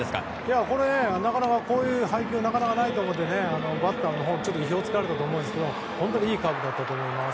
こういう配球なかなかないと思うのでバッターも意表を突かれたと思いますけどいいカーブだったと思います。